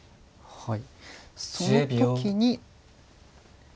はい。